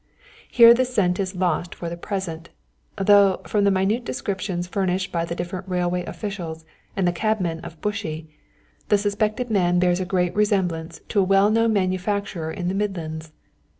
Here the scent is lost for the present, though from the minute descriptions furnished by the different railway officials and the cabman of Bushey, the suspected man bears a great resemblance to a well known manufacturer in the Midlands.